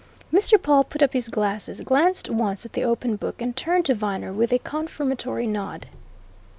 Mr. Pawle put up his glasses, glanced once at the open book, and turned to Viner with a confirmatory nod.